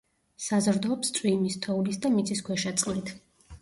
საზრდოობს წვიმის, თოვლის და მიწისქვეშა წყლით.